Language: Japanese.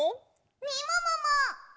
みももも！